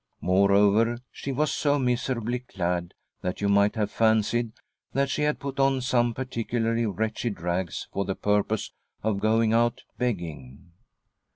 Moreover, she was so miserably clad that you might have fancied that she had put on some particu larly wretched rags for the purpose of going out begging.